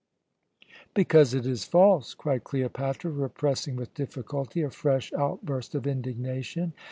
"Because it is false," cried Cleopatra, repressing with difficulty a fresh outburst of indignation.